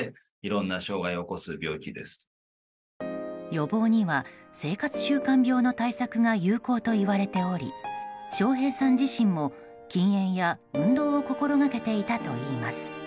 予防には生活習慣病の対策が有効といわれており笑瓶さん自身も禁煙や運動を心掛けていたといいます。